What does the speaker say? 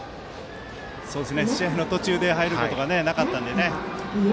試合の途中で入ることがなかったので。